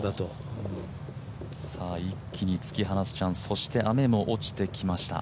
一気に突き放すチャンス、雨も落ちてきました。